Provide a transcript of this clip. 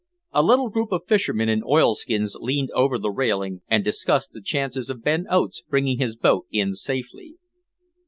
A little group of fishermen in oilskins leaned over the railing and discussed the chances of Ben Oates bringing his boat in safely.